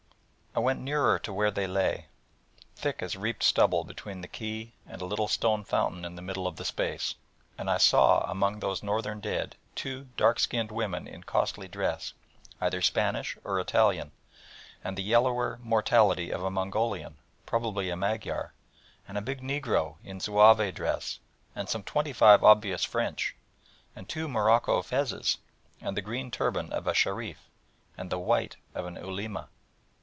I went nearer to where they lay thick as reaped stubble between the quay and a little stone fountain in the middle of the space, and I saw among those northern dead two dark skinned women in costly dress, either Spanish or Italian, and the yellower mortality of a Mongolian, probably a Magyar, and a big negro in zouave dress, and some twenty five obvious French, and two Morocco fezes, and the green turban of a shereef, and the white of an Ulema.